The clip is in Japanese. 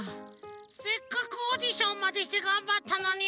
せっかくオーディションまでしてがんばったのに。